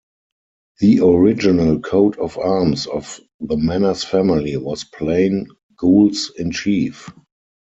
The original coat of arms of the Manners family was plain "gules in chief".